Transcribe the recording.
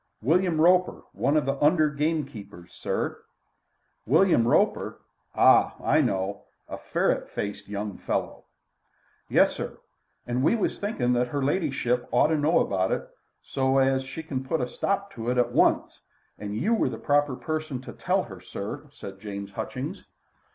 "William Roper, one of the under gamekeepers, sir." "William Roper? Ah, I know a ferret faced young fellow." "Yes, sir. And we was thinking that her ladyship ought to know about it so as she can put a stop to it at once, and you were the proper person to tell her, sir," said James Hutchings.